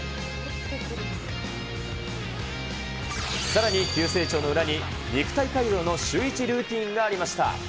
さらに急成長の裏に、肉体改造のシューイチルーティンがありました。